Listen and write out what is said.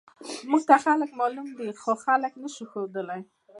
خو موږ ته خلک معلوم دي، خو خلک نه شو ښودلی.